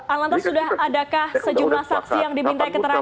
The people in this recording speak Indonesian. alantas sudah adakah sejumlah saksi yang diminta keterangan